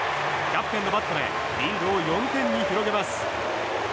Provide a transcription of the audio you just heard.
キャプテンのバットでリードを４点に広げます。